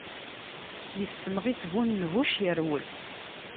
Issemɣi-tt bu nnbuc, irwel.